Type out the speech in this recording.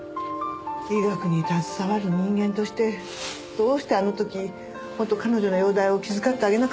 医学に携わる人間としてどうしてあの時もっと彼女の容体を気遣ってあげなかったのか。